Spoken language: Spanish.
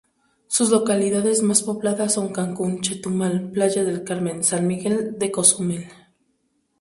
Sus localidades más pobladas son Cancún, Chetumal, Playa del Carmen, San Miguel de Cozumel.